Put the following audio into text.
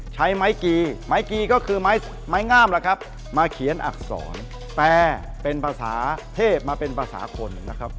ใช้ไม้กีไม้กีก็คือไม้งามล่ะครับมาเขียนอักษรแปลเป็นภาษาเทพมาเป็นภาษาคนนะครับ